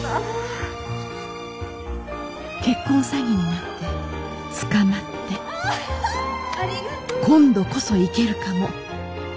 結婚詐欺になって捕まって今度こそ行けるかも。